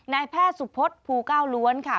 นายแพทย์สุพศภูเก้าล้วนค่ะ